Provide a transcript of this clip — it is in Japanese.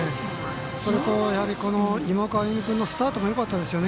それと今岡歩夢君のスタートもよかったですね。